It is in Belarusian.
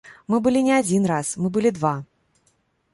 Мы былі не адзін раз, мы былі два.